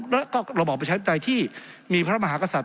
แล้วก็เราบอกไปใช้ไฟไทยที่มีพระมหากษัตริย์